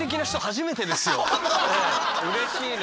うれしいな。